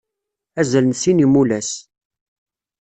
Azal n sin n yimulas.